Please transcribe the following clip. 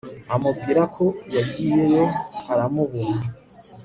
amubwira ko yagiyeyo aramubura